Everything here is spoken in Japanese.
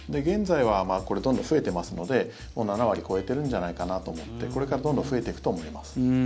現在はどんどん増えてますので７割超えているんじゃないかなと思ってこれからどんどん増えていくと思います。